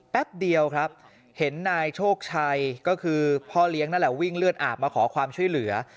แป๊บเดียวครับเห็นนายโชคชัยก็คือพ่อเลี้ยงนั่นแหละวิ่งเลือดอาบมาขอความช่วยเหลือ